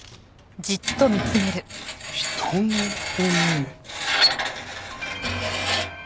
人の骨。